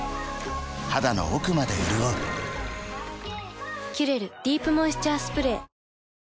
肌の奥まで潤う「キュレルディープモイスチャースプレー」